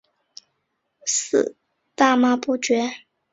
李圭至死大骂不绝。